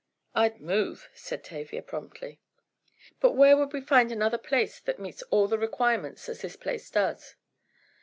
"I'd move," said Tavia, promptly. "But where would we find another place that meets all the requirements as this place does?